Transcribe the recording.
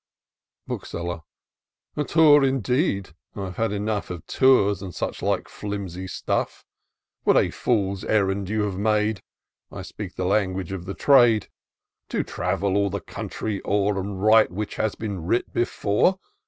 Bookseller. " A Tour indeed! I've had enough Of Tours and such like flimsy stuff. What a fool's errand you have made, (I speak the language of the trade,) IN SEARCH OF THE PICTURESQUE. 271 To travel all the country o'er, And write what has been writ before